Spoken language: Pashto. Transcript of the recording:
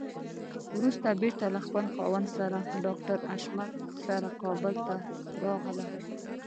وروسته بېرته له خپل خاوند ډاکټر حشمتي سره کابل ته راغله.